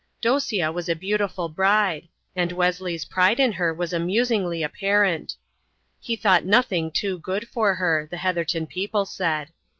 Dosia was a beautiful bride, and Wesley's pride in her was amusingly apparent. He thought nothing too good for her, the Heatherton people said.